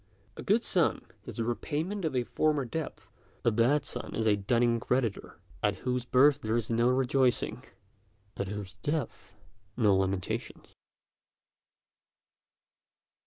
A good son is the repayment of a former debt; a bad son is a dunning creditor, at whose birth there is no rejoicing, at whose death no lamentations."